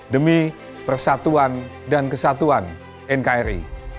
demi persatuan dan kesatuan nkri